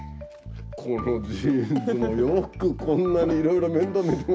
このジーンズもよくこんなにいろいろ面倒みてもらって。